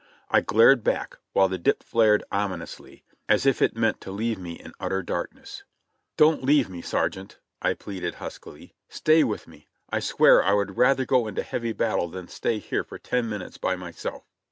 I glared back, while the dip flared ominously, as if it meant to leave me in utter darkness. "Don't leave me. Sergeant!" I pleaded huskily. "Stay with me ! I swear I would rather go into heavy battle than stay here for ten minutes by myself."